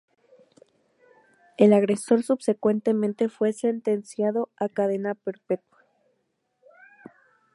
El agresor subsecuentemente fue sentenciado a cadena perpetua.